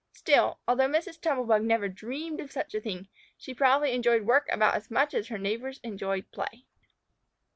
Still, although Mrs. Tumble bug never dreamed of such a thing, she probably enjoyed work about as much as her neighbors enjoyed play.